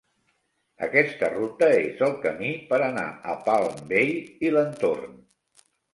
Aquesta ruta és el camí per anar a Palm Bay i l'entorn.